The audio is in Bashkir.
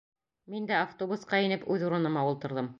Мин дә автобусҡа инеп үҙ урыныма ултырҙым.